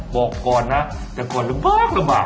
บอกก่อนนะแต่ก่อนนึงบ๊าบบ๊าบ